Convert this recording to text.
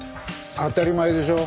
当たり前でしょ。